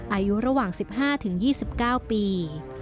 อายุระหว่าง๑๕๒๙ปี